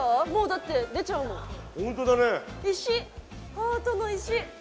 ハートの石。